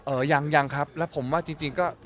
ยังยังครับแล้วผมว่าจริงก็